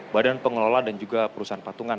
badan pengelola dan juga perusahaan patungan